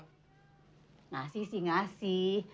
ngasih sih ngasih